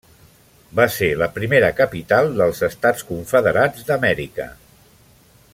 Va ser la primera capital dels Estats Confederats d'Amèrica.